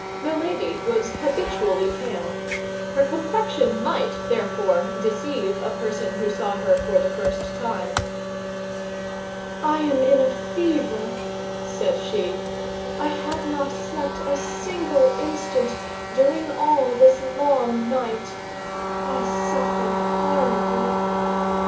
Milady was habitually pale; her complexion might therefore deceive a person who saw her for the first time. "I am in a fever," said she; "I have not slept a single instant during all this long night. I suffer horribly.